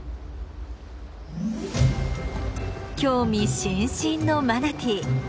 興味津々のマナティー。